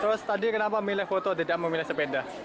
terus tadi kenapa milih foto tidak memilih sepeda